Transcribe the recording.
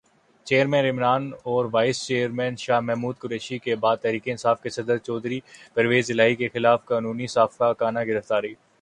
chairman Imran Khan اور vice chairman Shah Mahmood Qureshi کے بعد تحریک انصاف کے صدر چودھری پرویزالہٰی کی خلافِ قانون سفّاکانہ گرفتاری